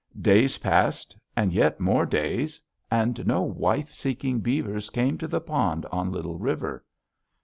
"Days passed; and yet more days, and no wife seeking beavers came to the pond on Little River.